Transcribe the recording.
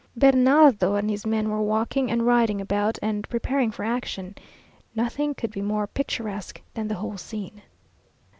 Bernardo and his men were walking and riding about, and preparing for action. Nothing could be more picturesque than the whole scene.